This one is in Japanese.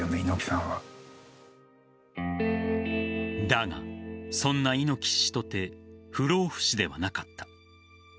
だが、そんな猪木氏とて不老不死ではなかった。